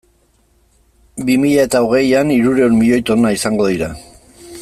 Bi mila eta hogeian hirurehun milioi tona izango dira.